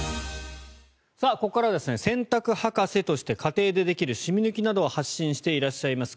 ここからは洗濯ハカセとして家庭でできる染み抜きなどを発信していらっしゃいます